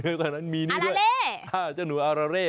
เอ้าแล้วนอกจากเนื้อด้วย